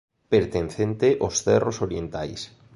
Pertencente aos cerros Orientais.